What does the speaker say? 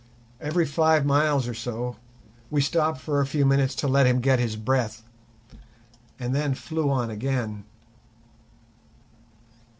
Every five miles or so we stopped for a few minutes to let him get his breath, and then flew on again.